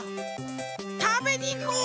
たべにいこう！